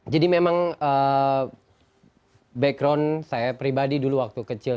jadi memang background saya pribadi dulu waktu kecil